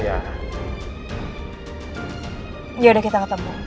yaudah kita ketemu